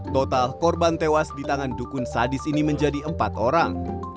total korban tewas di tangan dukun sadis ini menjadi empat orang